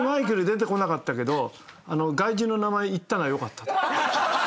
出てこなかったけど外人の名前言ったのは良かったと。